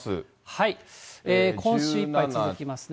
今週いっぱい続きますね。